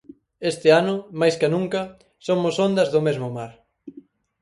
Este ano, máis ca nunca, somos ondas do mesmo mar.